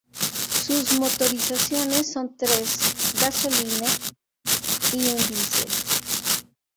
Sus motorizaciones son tres gasolina y un Diesel.